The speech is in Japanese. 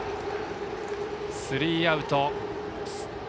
スリーアウト。